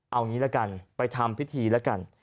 เอางี้ละกันไปทำพิธีแล้วกัน